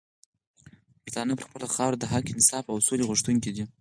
پښتانه پر خپله خاوره د حق، انصاف او سولي غوښتونکي دي